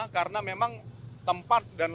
karena memang tempat dan lokasi